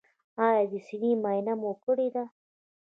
ایا د سینې معاینه مو کړې ده؟